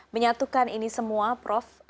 menyatukan ini semua prof